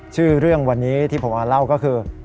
ชื่อเรื่องวันนี้ที่ผมมาเล่าก็คือ